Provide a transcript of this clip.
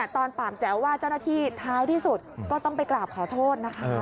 ปากแจ๋วว่าเจ้าหน้าที่ท้ายที่สุดก็ต้องไปกราบขอโทษนะคะ